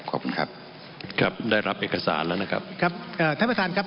ขอบคุณครับครับได้รับเอกสารแล้วนะครับครับเอ่อท่านประธานครับ